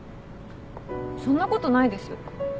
そんなことないですよ。